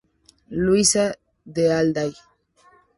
Luisa de Alday".